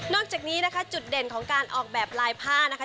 จากนี้นะคะจุดเด่นของการออกแบบลายผ้านะคะ